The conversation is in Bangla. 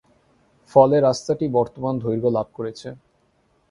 ফলে রাস্তাটি বর্তমান দৈর্ঘ্য লাভ করেছে।